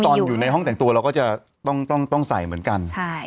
พอที่ตอนอยู่ในห้องแต่งตัวก็ต้องใส่เหมือนกัน